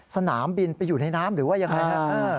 สนามบินไปอยู่ในน้ำหรือว่ายังไงครับ